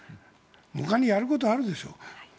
ほかにやることあるでしょ。